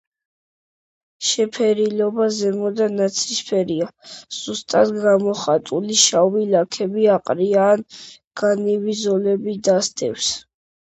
შეფერილობა ზემოდან ნაცრისფერია, სუსტად გამოხატული შავი ლაქები აყრია ან განივი ზოლები დასდევს.